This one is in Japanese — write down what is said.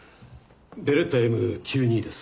ベレッタＭ９２です。